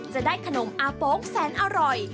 จะได้ขนมอาโป๊งแสนอร่อย